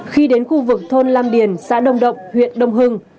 khi đến khu vực thôn lam điền xã đông động huyện đông hưng